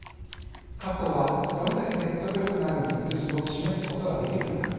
各党はどれだけ説得力のある道筋を示すことができるのか。